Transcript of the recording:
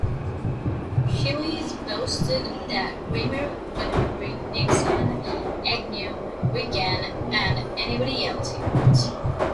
Chiles boasted that Cramer could bring Nixon, Agnew, Reagan, and anybody else he wants.